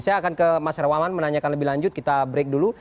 saya akan ke mas herawan menanyakan lebih lanjut kita break dulu